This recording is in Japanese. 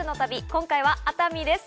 今回は、熱海です。